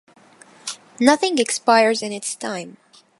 Nothing expires in its time.